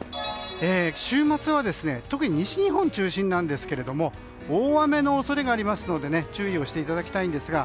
週末は特に西日本中心ですが大雨の恐れがありますので注意していただきたいんですが。